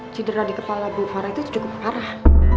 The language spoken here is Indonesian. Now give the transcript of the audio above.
cidera di kepala bu farah itu cukup parah